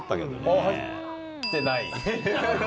あっ、入ってない。